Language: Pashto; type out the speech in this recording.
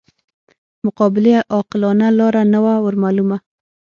مقابلې عاقلانه لاره نه وه ورمعلومه.